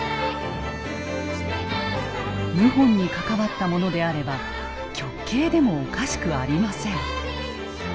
謀反に関わった者であれば極刑でもおかしくありません。